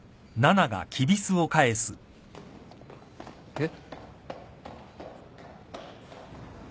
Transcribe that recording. えっ？